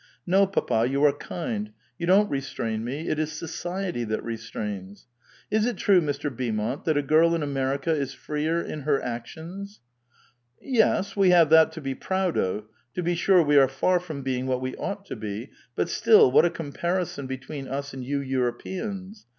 No, papa, you are kind ; you don't restrain me ; it is society that restrains. Is it true, Mr. Beaumont, that a girl in America is freer in her actions ?"" Yes ; we have that to be proud of. To be sure, we are far from being what we ought to be ; but still, what a com parison between us and you Europeans